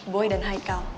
boy dan haikal